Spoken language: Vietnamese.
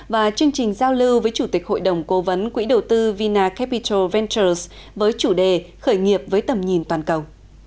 và chương trình giao lưu với chủ tịch hội đồng cố vấn quỹ đầu tư vina capital ventures với chủ đề khởi nghiệp với tầm nhìn toàn cầu